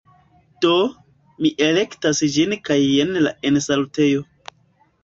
Do, mi elektas ĝin kaj jen la ensalutejo